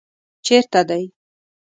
چېرته دی؟